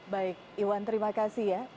baik iwan terima kasih ya